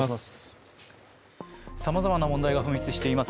さまざまな問題が噴出しています